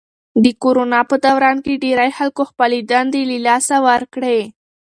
د کرونا په دوران کې ډېری خلکو خپلې دندې له لاسه ورکړې.